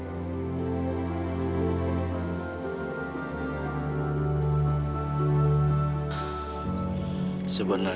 bisa aku kekecepatan